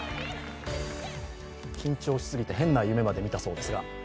緊張しすぎて変な夢まで見たそうですが。